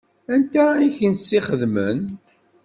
Anta i kent-tt-ixedmen?